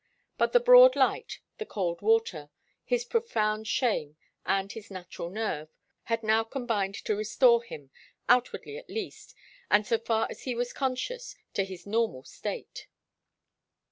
But the broad light, the cold water, his profound shame and his natural nerve had now combined to restore him, outwardly at least, and so far as he was conscious, to his normal state.